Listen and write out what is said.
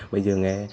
bây giờ nghe